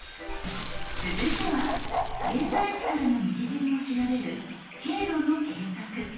続いては現在地からの道順を調べる「経路の検索」。